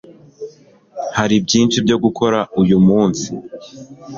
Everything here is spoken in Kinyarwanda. hari byinshi byo gukora uyu munsi